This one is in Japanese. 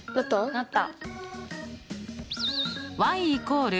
なった！